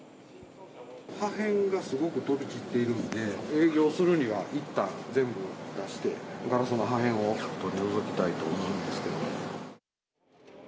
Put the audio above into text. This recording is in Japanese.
破片がすごく飛び散っているんで、営業するにはいったん全部出して、ガラスの破片を取り除きたいと思いますけども。